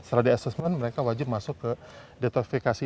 setelah di assessment mereka wajib masuk ke detosifikasi